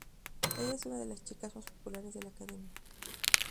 Ella es una de las chicas más populares de la academia.